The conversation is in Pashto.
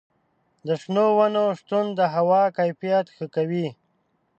د شنو ونو شتون د هوا کیفیت ښه کوي.